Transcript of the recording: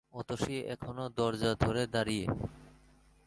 অতসী এখনো দরজা ধরে দাঁড়িয়ে।